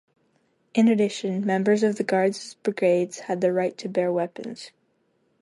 In addition, members of the guards' brigades had the right to bear weapons.